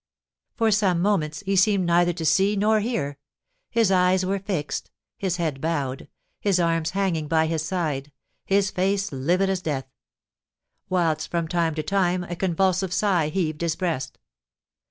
For some moments he seemed neither to see nor hear; his eyes were fixed, his head bowed, his arms hanging by his side, his face livid as death; whilst from time to time a convulsive sigh heaved his breast.